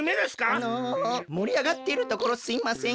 あのもりあがってるところすいません。